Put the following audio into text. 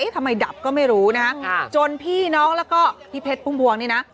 ดับก็ไม่รู้นะฮะจนพี่น้องแล้วก็พี่เพชรพุ่มพวงนี่นะ